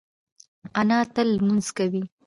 انا تل لمونځ کوي